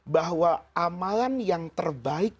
bahwa amalan yang terbaik